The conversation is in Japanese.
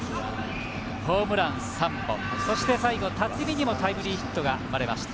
ホームラン、３本そして、最後辰己にもタイムリーヒットが生まれました。